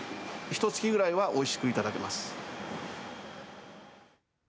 ひとつきぐらいはおいしくいただけます。